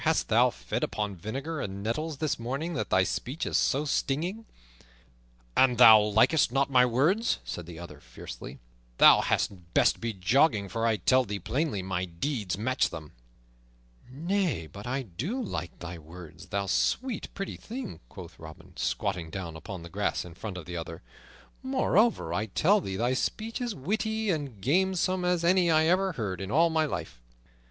Hast thou fed upon vinegar and nettles this morning that thy speech is so stinging?" "An thou likest not my words," said the other fiercely, "thou hadst best be jogging, for I tell thee plainly, my deeds match them." "Nay, but I do like thy words, thou sweet, pretty thing," quoth Robin, squatting down upon the grass in front of the other. "Moreover, I tell thee thy speech is witty and gamesome as any I ever heard in all my life."